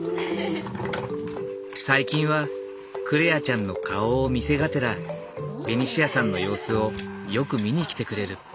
最近は來愛ちゃんの顔を見せがてらベニシアさんの様子をよく見に来てくれる。